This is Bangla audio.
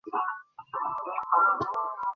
তিনি সিলেটে চলে এসে শিক্ষাদীক্ষায় নিয়োজিত হন।